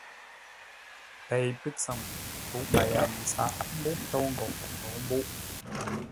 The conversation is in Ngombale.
Pei pə́tsəm, púʼ mbaya mətsâʼ, mbúʼ ə ntôu ngou, mbǒu mbúʼ.